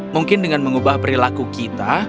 mungkin dengan mengubah perilaku kita